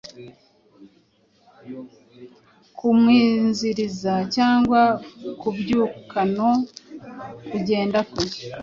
kumuinziriza cyangwa kubyukano kugenda kwe